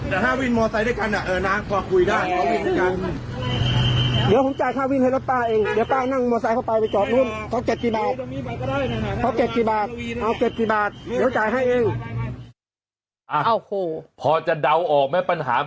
เหมือนแยกลูกค้ากันไหม